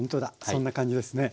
そんな感じですね。